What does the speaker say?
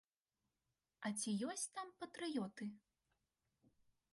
А ці ёсць там патрыёты?